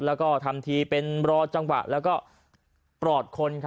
และทำทีเป็นรอจังหวะและก็ปลอดคล